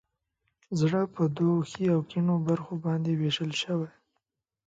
زړه په دوو ښي او کیڼو برخو باندې ویش شوی.